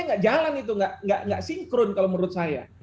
tidak jalan itu tidak sinkron kalau menurut saya